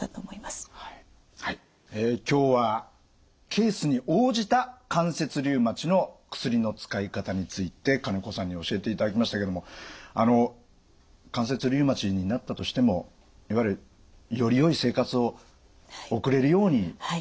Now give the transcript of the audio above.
今日はケースに応じた関節リウマチの薬の使い方について金子さんに教えていただきましたけれどもあの関節リウマチになったとしてもいわゆるよりよい生活を送れるようにしたいですよねやっぱりね。